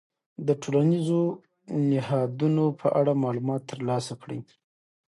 د ټولنیزو نهادونو په اړه معلومات ترلاسه کړئ.